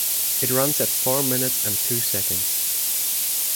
It runs at four minutes and two seconds.